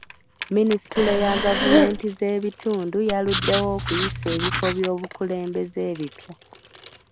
Minisitule ya gavumenti z'ebitundu yaluddewo okuyisa ebifo by'obukulembeze ebipya.